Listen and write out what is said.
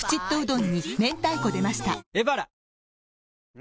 ん？